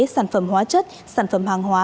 sản phẩm hóa chất sản phẩm hàng hóa